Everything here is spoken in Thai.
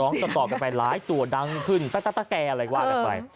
ร้องต่อกันไปหลายตัวดังขึ้นตั๊ะต๊ะต๊ะแก่อะไรกันไป